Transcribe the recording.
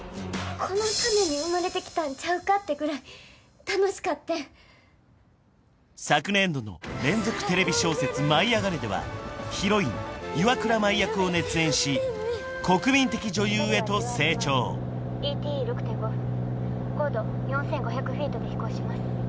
このために生まれてきたんちゃうかってぐらい楽しかってん昨年度の連続テレビ小説「舞いあがれ！」ではヒロイン岩倉舞役を熱演し国民的女優へと成長ＥＴＥ６．５分高度４５００フィートで飛行します